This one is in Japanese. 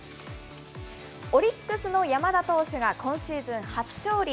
オリックスの山田投手が今シーズン初勝利。